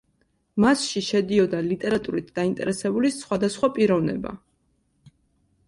მასში შედიოდა ლიტერატურით დაინტერესებული სხვადასხვა პიროვნება.